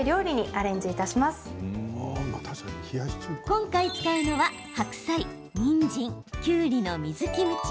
今回、使うのは白菜、にんじんきゅうりの水キムチ。